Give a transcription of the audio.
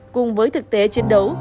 cùng với thực tế chiến đấu